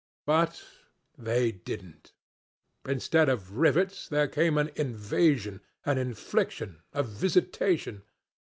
"But they didn't. Instead of rivets there came an invasion, an infliction, a visitation.